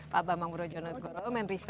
pak bambang murojonet gorom